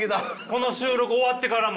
この収録終わってからも。